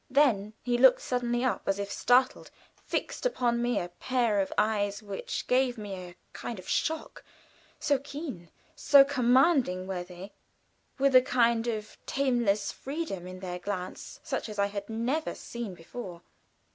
Then he looked suddenly up as if startled, fixed upon me a pair of eyes which gave me a kind of shock; so keen, so commanding were they, with a kind of tameless freedom in their glance such as I had never seen before.